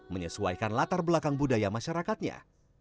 menyesuaikan latar belakang budaya masyarakatnya